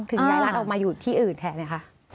ย้ายร้านออกมาอยู่ที่อื่นแทนนะคะ